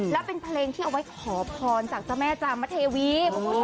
แล้วเป็นเพลงที่เอาไว้ขอพรจากเจ้าแม่จามเทวี